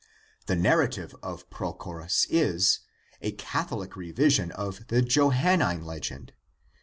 The narrative of Prochorus is, a Catholic revision of the Johannine legend.